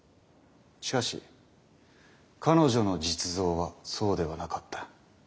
しかし彼女の実像はそうではなかった。